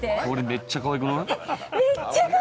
これ、めっちゃ可愛くない？